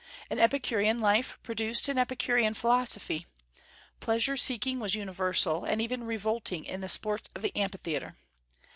An Epicurean life produced an Epicurean philosophy. Pleasure seeking was universal, and even revolting in the sports of the Amphitheatre.